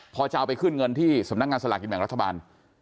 พอจะเอาไปขึ้นเงินที่สำนักงานสลากกินแบ่งรัฐบาล